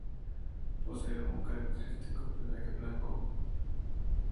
Posee un característico pelaje blanco.